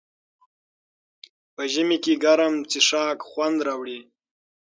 په ژمي کې ګرم څښاک خوند راوړي.